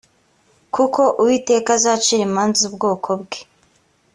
kuko uwiteka azacira imanza ubwoko bwe